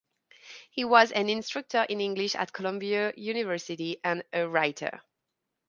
He was an instructor in English at Columbia University and a writer.